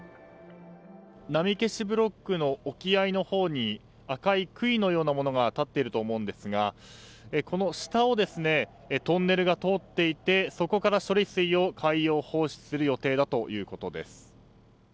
波消しブロックの沖合いのほうに赤い杭のようなものが立っていると思うんですがこの下をトンネルが通っていてそこから処理水を海洋放出する予定だということです。